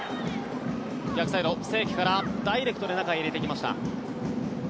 逆サイド、清家からダイレクトで入れていきました。